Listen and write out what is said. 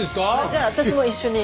じゃあ私も一緒に。